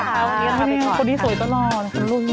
คนนี้สวยตลอด